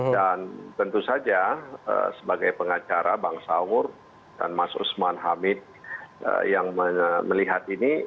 dan tentu saja sebagai pengacara bang saur dan mas usman hamid yang melihat ini